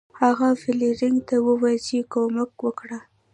هغه فلیریک ته وویل چې کومک وکړه.